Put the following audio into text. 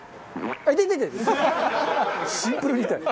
シンプルに痛い。